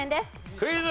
クイズ。